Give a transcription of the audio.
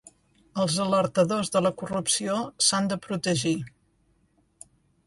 Els alertadors de la corrupció s'han de protegir